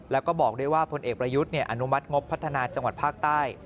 แล้วก็บอกด้วยว่าพลเอกประยุทธ์อนุมัติงบพัฒนาจังหวัดภาคใต้